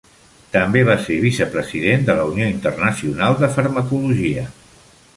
També va ser vicepresident de la Unió Internacional de Farmacologia.